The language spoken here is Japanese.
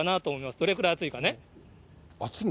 どれくらい暑いかね。